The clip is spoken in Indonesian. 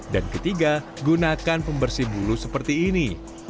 dan ketiga gunakan pembersih bulu seperti ini